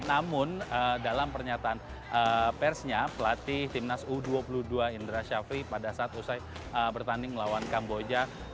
namun dalam pernyataan persnya pelatih timnas u dua puluh dua indra syafri pada saat usai bertanding melawan kamboja